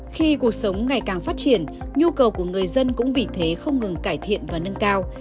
khi cuộc sống ngày càng phát triển nhu cầu của người dân cũng vì thế không ngừng cải thiện và nâng cao